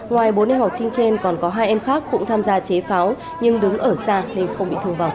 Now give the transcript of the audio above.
ngoài bốn em học sinh trên còn có hai em khác cũng tham gia chế pháo nhưng đứng ở xa nên không bị thương vọng